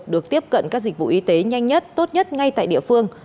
được tiếp cận các dịch vụ y tế nhanh nhất tốt nhất ngay tại địa phương